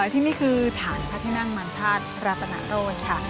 ที่นี่คือฐานพระที่นั่งมันธาตุรัตนโรธค่ะ